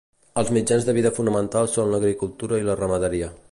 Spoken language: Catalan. Els mitjans de vida fonamentals són l'agricultura i la ramaderia.